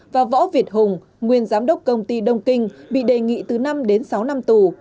và võ việt hùng nguyên giám đốc công ty đông kinh bị đề nghị từ năm đến sáu năm tù